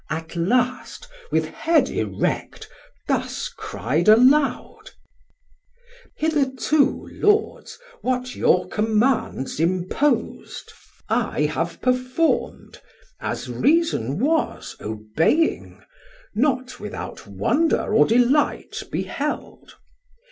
At last with head erect thus cryed aloud, Hitherto, Lords, what your commands impos'd 1640 I have perform'd, as reason was, obeying, Not without wonder or delight beheld.